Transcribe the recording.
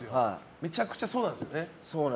めちゃくちゃ、そうなんですよね。